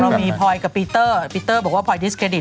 เรามีพลอยกับปีเตอร์ปีเตอร์บอกว่าพลอยดิสเครดิต